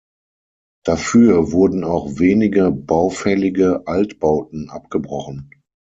Dafür wurden auch wenige baufällige Altbauten abgebrochen.